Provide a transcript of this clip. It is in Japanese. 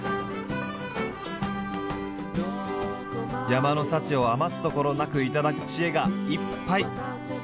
山の幸を余すところなく頂く知恵がいっぱい！